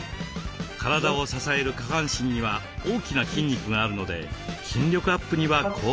体を支える下半身には大きな筋肉があるので筋力アップには効果的です。